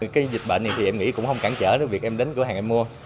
cái dịch bệnh này thì em nghĩ cũng không cản trở được việc em đến cửa hàng em mua